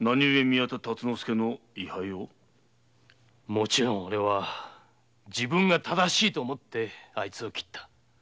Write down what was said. もちろん俺は自分が正しいと思ってあいつを斬った。